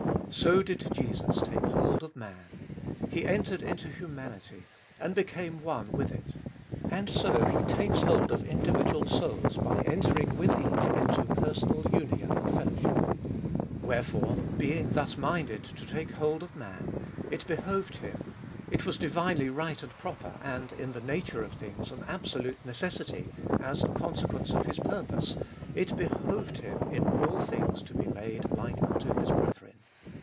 So did Jesus take hold of man. He entered into humanity and became one with it. And so he takes hold of individual souls by entering with each into personal union and fellowship. Wherefore, being thus minded to take hold of man, it be hoved Him, it was divinely right and proper, and, in the nature of things, an absolute necessity, as a consequence of His purpose, it behoved Him in all things to be made like unto His brethren.